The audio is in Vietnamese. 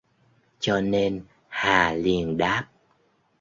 Cho nên Hà liền đáp